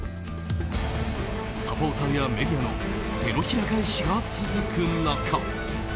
サポーターやメディアの手のひら返しが続く中